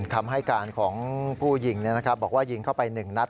คำให้การของผู้หญิงบอกว่ายิงเข้าไป๑นัด